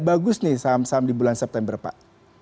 bagus nih saham saham di bulan september pak